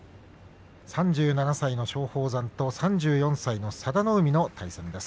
３７歳の松鳳山と３４歳の佐田の海の対戦です。